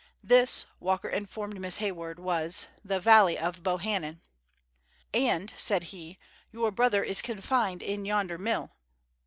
This, Walker informed Miss Hayward, was the "Valley of Bohannan!" "And," said he, "your brother is confined in yonder mill!"